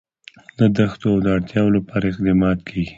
د دښتو د اړتیاوو لپاره اقدامات کېږي.